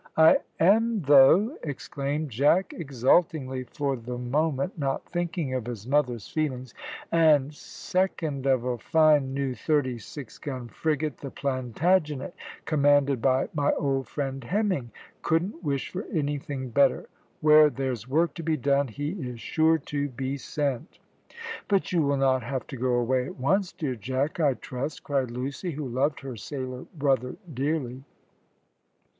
"I am, though!" exclaimed Jack exultingly, for the moment not thinking of his mother's feeling, "and second of a fine new thirty six gun frigate the Plantagenet, commanded by my old friend Hemming. Couldn't wish for anything better. Where there's work to be done he is sure to be sent." "But you will not have to go away at once, dear Jack, I trust," cried Lucy, who loved her sailor brother dearly.